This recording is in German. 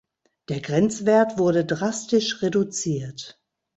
Der Grenzwert wurde drastisch reduziert.